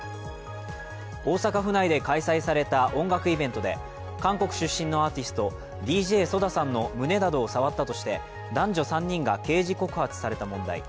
大阪府内で開催された音楽イベントで韓国出身のアーティスト・ＤＪＳＯＤＡさんの胸などを触ったとして男女３人が刑事告発された問題。